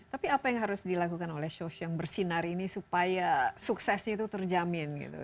tapi apa yang harus dilakukan oleh shoes yang bersinar ini supaya suksesnya itu terjamin gitu